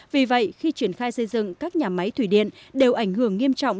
vì vậy khi triển khai xây dựng các nhà máy thủy điện đều ảnh hưởng nghiêm trọng